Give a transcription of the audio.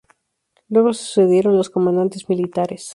Luego se sucedieron los comandantes militares.